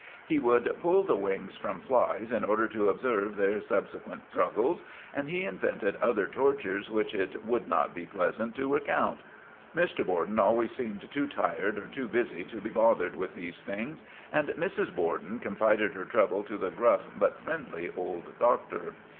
He would pull the wings from flies in order to observe their subsequent struggles, and he invented other tortures which it would not be pleasant to recount. Mr. Borden always seemed too tired or too busy to be bothered with these things, and Mrs. Borden confided her troubles to the gruff but friendly old doctor.